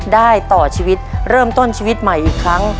ต่อชีวิตเริ่มต้นชีวิตใหม่อีกครั้ง